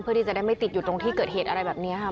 เพื่อที่จะได้ไม่ติดอยู่ตรงที่เกิดเหตุอะไรแบบนี้ค่ะ